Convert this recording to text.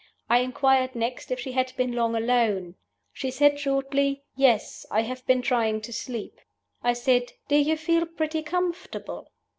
I inquired next if she had been long alone. She said, shortly, 'Yes; I have been trying to sleep.' I said, 'Do you feel pretty comfortable?